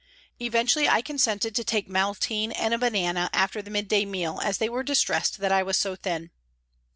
Eventually I consented to take maltine and a banana after the mid day meal, as they were distressed that I was so thin.